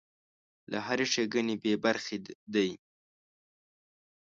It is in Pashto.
له هرې ښېګڼې بې برخې دی.